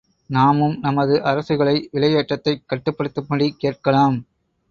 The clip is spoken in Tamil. நாமும் நமது அரசுகளை விலை ஏற்றத்தைக் கட்டுப்படுத்தும்படி கேட்கலாம்.